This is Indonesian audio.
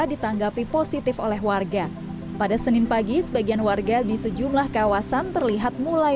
ditanggapi positif oleh warga pada senin pagi sebagian warga di sejumlah kawasan terlihat mulai